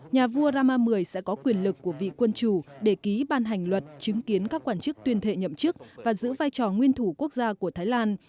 nhà vua rama mười sẽ có quyền lực của vị quân chủ để ký ban hành luật chứng kiến các quan chức tuyên thệ nhậm chức và giữ vai trò nguyên thủ quốc gia của thái lan